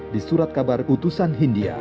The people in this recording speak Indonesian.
di surat kabar utusan hindia